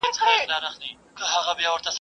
خطاب